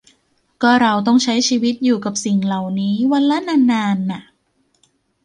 ก็เราต้องใช้ชีวิตอยู่กับสิ่งเหล่านี้วันละนานนานน่ะ